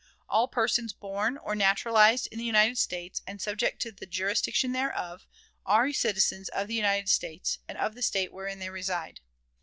All persons born or naturalized in the United States, and subject to the jurisdiction thereof, are citizens of the United States, and of the State wherein they reside.